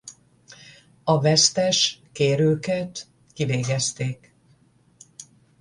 A vesztes kérőket kivégezték.